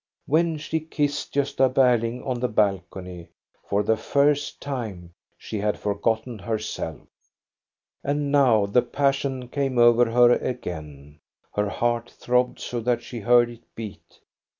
When she kissed Gosta Berling on the balcony, for the first time she had forgotten herself And now the passion came over her again, her heart throbbed so that she heard it beat.